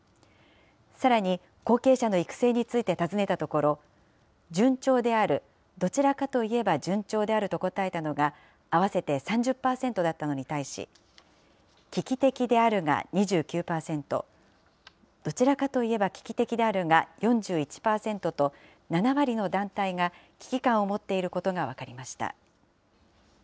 さらに後継者の育成について尋ねたところ、順調である、どちらかといえば順調であると答えたのが合わせて３０％だったのに対し、危機的であるが２９％、どちらかといえば危機的であるが４１％と、７割の団体が危機感を持っていることが分かりました。